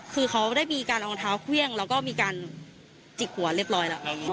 คือเขาได้มีการเอารองเท้าเครื่องแล้วก็มีการจิกหัวเรียบร้อยแล้ว